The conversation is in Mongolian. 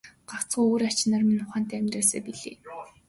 Гагцхүү үр ач нар минь ухаантай амьдраасай билээ.